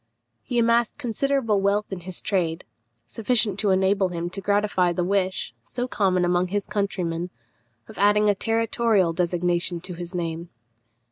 He amassed considerable wealth in his trade, sufficient to enable him to gratify the wish, so common among his countrymen, of adding a territorial designation to his name.